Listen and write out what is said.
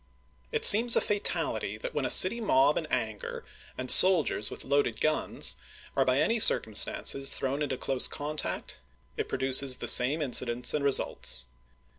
It seems a fatality that when a city mob in anger and soldiers with loaded guns are by any circum stances thrown into close contact it produces the same incidents and results.